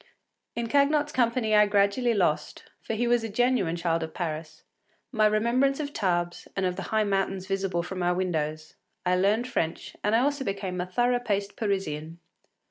In Cagnotte’s company I gradually lost, for he was a genuine child of Paris, my remembrance of Tarbes and of the high mountains visible from our windows; I learned French and I also became a thorough paced Parisian.